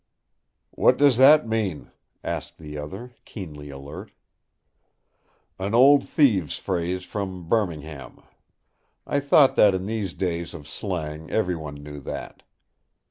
"What does that mean?" asked the other, keenly alert. "An old thieves' phrase from Birmingham. I thought that in these days of slang everyone knew that.